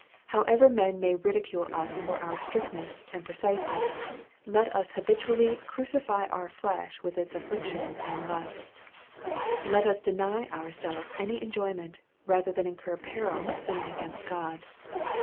How ever men may ridicule us for our strictness and precise ness, let us habitually " crucify our flesh with its affections and lusts." Let us deny ourselves any enjoyment, rather than incur peril of sinning against God.